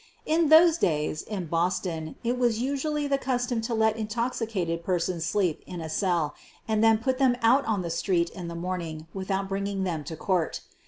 In those days, in Boston, it was usually the cus tom to let intoxicated persons sleep in a cell and then to put them out on the street in the morning without bringing them to court.